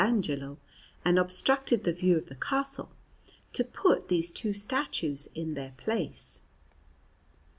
Angelo and obstructed the view of the Castle, to put these two statues in their place.